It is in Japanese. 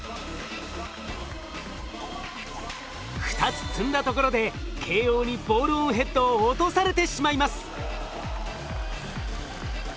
２つ積んだところで慶應にボールオンヘッドを落とされてしまいます。